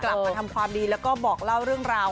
กลับมาทำความดีแล้วก็บอกเล่าเรื่องราว